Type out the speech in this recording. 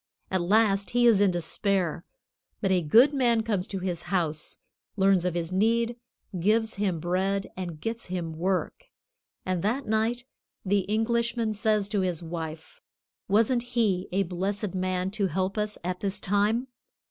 At last he is in despair, but a good man comes to his house, learns of his need, gives him bread and gets him work; and that night the Englishman says to his wife, "Wasn't he a blessed man to help us at this time?"